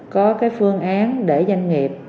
có cái phương án để doanh nghiệp